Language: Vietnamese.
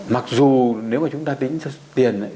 mặc dù nếu mà chúng ta tính tiền ấy